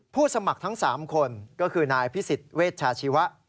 สมัครทั้ง๓คนก็คือนายพิสิทธิเวชชาชีวะ